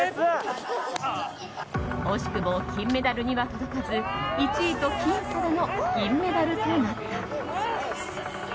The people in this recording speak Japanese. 惜しくも金メダルには届かず１位と僅差での銀メダルとなった。